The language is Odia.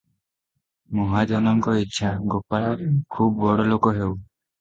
ମହାଜଙ୍କ ଇଛା, ଗୋପାଳ ଖୁବ ବଡ଼ ଲୋକ ହେଉ ।